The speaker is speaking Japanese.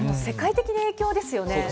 世界的な影響ですよね。